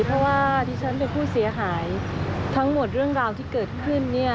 เพราะว่าที่ฉันเป็นผู้เสียหายทั้งหมดเรื่องราวที่เกิดขึ้นเนี่ย